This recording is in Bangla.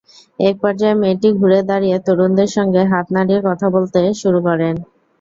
একপর্যায়ে মেয়েটি ঘুরে দাঁড়িয়ে তরুণদের সঙ্গে হাত নাড়িয়ে কথা বলতে শুরু করেন।